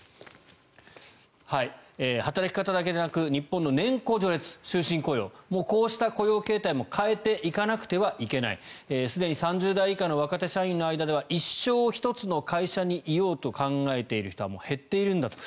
働き方だけでなく日本の年功序列、終身雇用こうした雇用形態も変えていかなくてはいけないすでに３０代以下の若手社員の間では一生１つの会社にいようと考える人はもう減っているんだと。